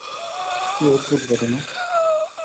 কী অদ্ভুত ঘটনা!